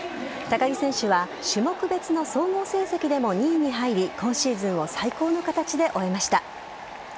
高木選手は種目別の総合成績でも２位に入り、今シーズンを最高の形で終えました。